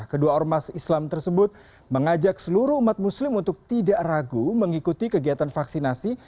kedua ormas islam tersebut mengajak seluruh umat muslim untuk tidak ragu mengikuti kegiatan vaksinasi